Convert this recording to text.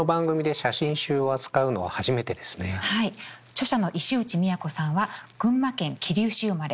著者の石内都さんは群馬県桐生市生まれ。